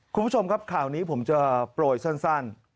คุณผู้ชมครับข่าวนี้ผมจะโปรยสั้น